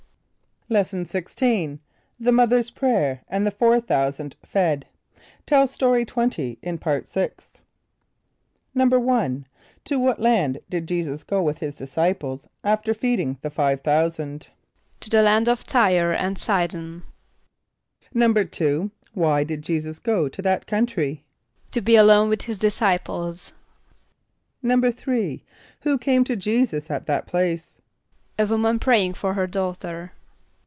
= Lesson XVI. The Mother's Prayer, and the Four Thousand Fed. (Tell Story 20 in Part Sixth.) =1.= To what land did J[=e]´[s+]us go with his disciples after feeding the five thousand? =To the land of T[=y]re and S[=i]´d[)o]n.= =2.= Why did J[=e]´[s+]us go to that country? =To be alone with his disciples.= =3.= Who came to J[=e]´[s+]us at that place? =A woman praying for her daughter.